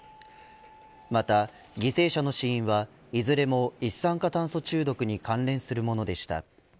また犠牲者の死因はいずれも一酸化炭素中毒に関連するものでした。